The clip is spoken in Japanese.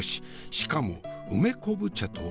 しかも梅昆布茶とは。